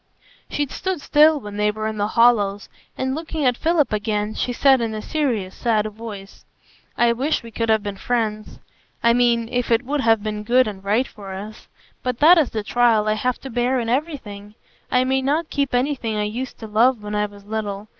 She stood still when they were in the hollows, and looking at Philip again, she said in a serious, sad voice: "I wish we could have been friends,—I mean, if it would have been good and right for us. But that is the trial I have to bear in everything; I may not keep anything I used to love when I was little.